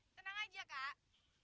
tenang aja kak